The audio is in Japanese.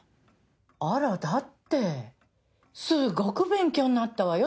あらだってすっごく勉強になったわよ